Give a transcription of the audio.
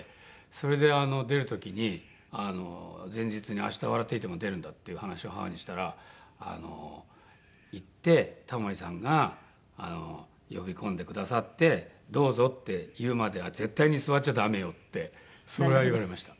それで出る時に前日に「明日『笑っていいとも！』に出るんだ」っていう話を母にしたら「行ってタモリさんが呼び込んでくださって“どうぞ”って言うまでは絶対に座っちゃダメよ」ってそれは言われました